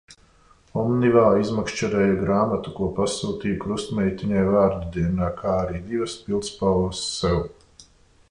Omnivā izmakšķerēju grāmatu, ko pasūtīju krustmeitiņai vārda dienā, kā arī divas pildspalvas sev.